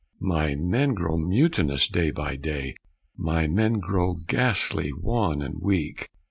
'" "My men grow mutinous day by day; My men grow ghastly wan and weak."